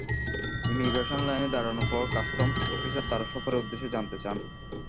Immigration লাইনে দাঁড়ানোর পর কাস্টমস অফিসার তাঁর সফরের উদ্দেশ্য জানতে চান।